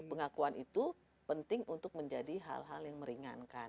pengakuan itu penting untuk menjadi hal hal yang meringankan